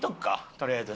とりあえず。